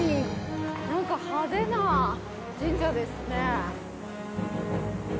なんか派手な神社ですね。